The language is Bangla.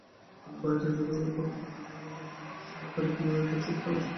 তিনি ভারতীয় জাদুঘরের প্রত্নতত্ত্ব বিভাগের অবৈতনিক সহকারী কিউরেটর নিযুক্ত হন।